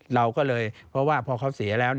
เราก็เลยเพราะว่าพอเขาเสียแล้ว